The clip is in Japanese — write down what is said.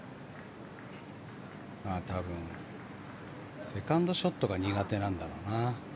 多分、セカンドショットが苦手なんだろうな。